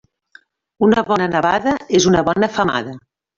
Una bona nevada és una bona femada.